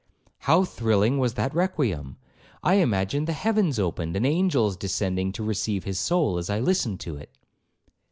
How thrilling was that requiem! I imagined the heavens opened, and angels descending to receive his soul, as I listened to it!'